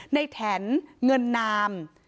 แถนเงินนาม